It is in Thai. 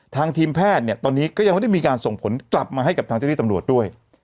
ทางทีมแพทย์เนี่ยตอนนี้ก็ยังไม่ได้มีการส่งผลกลับมาให้กับทางเจ้าที่ตำรวจด้วย